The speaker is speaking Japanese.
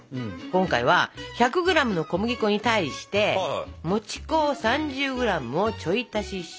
今回は１００ｇの小麦粉に対してもち粉を３０ｇをちょい足しします。